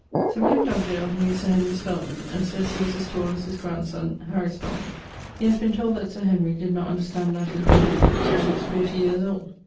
Sir William Dugdale knew Sir Henry Spelman, and sayes he was as tall as his grandson, Harry Spelman. He haz been told that Sir Henry did not understand Latin perfectly till he was fourty years old.